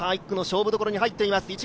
１区の勝負どころに入っています